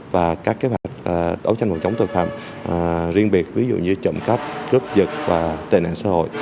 và các kế hoạch đấu tranh phòng chống tội phạm riêng biệt ví dụ như trộm cắp cướp dật và tệ nạn xã hội